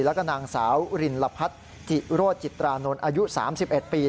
แล้วก็นางสาวรินลพัฒน์จิโรจิตรานนท์อายุ๓๑ปี